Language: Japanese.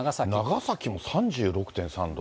長崎も３６．３度。